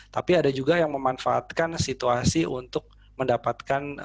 tapi ada juga yang memanfaatkan situasi untuk mendapatkan